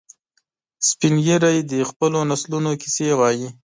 سپین ږیری د خپلو نسلونو کیسې وایي